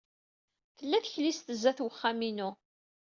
Tella teklizt sdat wexxam-inu.